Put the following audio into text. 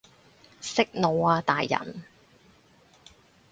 息怒啊大人